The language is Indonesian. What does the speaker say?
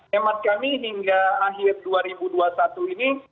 hemat kami hingga akhir dua ribu dua puluh satu ini